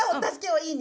いいね。